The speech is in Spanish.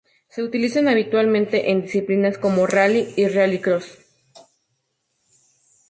Se utilizan habitualmente en disciplinas como rally y rallycross.